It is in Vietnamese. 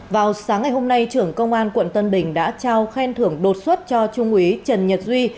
vào sáng ngày hôm nay trưởng công an quận tân bình đã trao khen thưởng đột xuất cho trung úy trần nhật duy